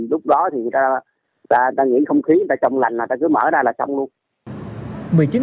lúc đó thì ta nghĩ không khí ta trông lành là ta cứ mở ra là xong luôn